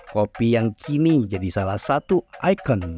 kopi yang kini jadi salah satu ikon